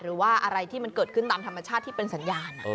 หรือว่าอะไรที่มันเกิดขึ้นตามธรรมชาติที่เป็นสัญญาณ